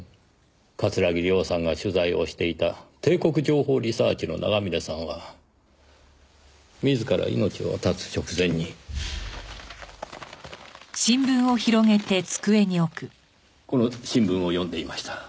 桂木涼さんが取材をしていた帝国情報リサーチの長峰さんは自ら命を絶つ直前にこの新聞を読んでいました。